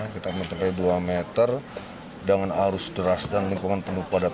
kita mencapai dua meter dengan arus deras dan lingkungan penuh padat